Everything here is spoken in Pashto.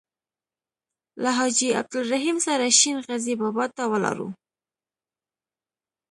له حاجي عبدالرحیم سره شین غزي بابا ته ولاړو.